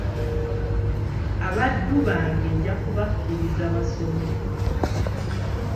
Abaddu bange nja kubakkiriza basome.